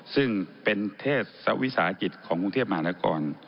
ซึ่งเป็นเทพศวิสาหกิจของกรุงเทพมหานคร